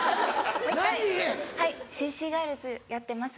何⁉はいＣ．Ｃ．ガールズやってます